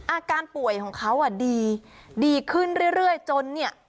อาการป่วยของเขาอ่ะดีดีขึ้นเรื่อยจนเนี่ย